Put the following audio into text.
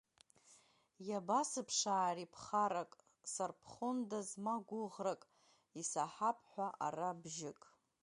Иабасыԥшаари ԥхарак сарԥхондаз ма гәыӷрак, исаҳап ҳәа ара бжьык…